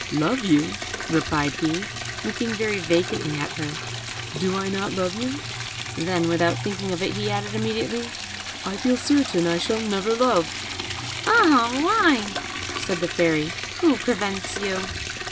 "Love you," replied he, looking very vacantly at her; "do I not love you?" Then, without thinking of it, he added immediately, "I feel certain I shall never love." "Ah! why?" said the Fairy; "who prevents you?"